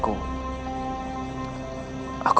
aku pegang wajahmu